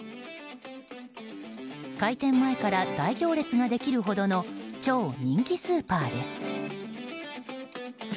開店前から大行列ができるほどの超人気スーパーです。